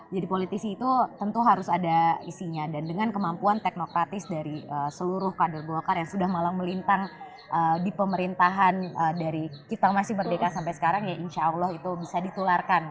jadi politisi itu tentu harus ada isinya dan dengan kemampuan teknokratis dari seluruh kader golkar yang sudah malah melintang di pemerintahan dari kita masih merdeka sampai sekarang ya insya allah itu bisa ditularkan